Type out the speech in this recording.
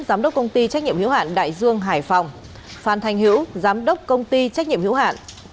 giám đốc công ty trách nhiệm hiếu hạn đại dương hải phòng phan thanh hữu giám đốc công ty trách nhiệm hữu hạn